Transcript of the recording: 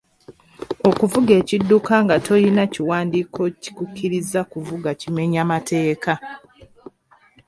Okuvuga ekidduka nga tolina kiwandiiko kikukkiriza kuvuga kimenya mateeka.